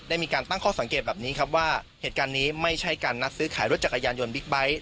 มีการตั้งข้อสังเกตแบบนี้ครับว่าเหตุการณ์นี้ไม่ใช่การนัดซื้อขายรถจักรยานยนต์บิ๊กไบท์